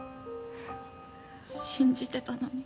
信じてたのに。